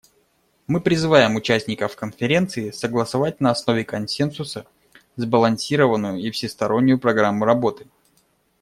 Мы призываем участников Конференции согласовать на основе консенсуса сбалансированную и всестороннюю программу работы.